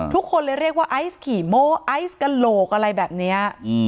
ทุกคนเลยเรียกว่าไอซ์ขี่โม่ไอซ์กระโหลกอะไรแบบนี้